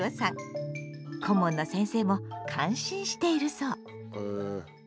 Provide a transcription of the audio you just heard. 顧問の先生も感心しているそう。